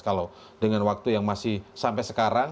kalau dengan waktu yang masih sampai sekarang